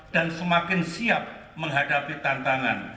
dan semakin siap menghadapi tantangan